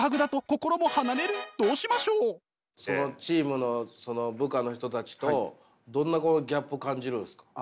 そのチームのその部下の人たちとどんなこうギャップを感じるんすか？